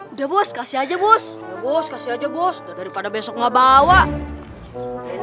udah bos kasih aja bos bos kasih aja bos daripada besok mau bawa ini